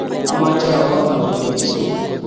Amoche awo arutochi gogo.